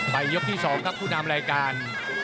ยกที่๒ครับผู้นำรายการ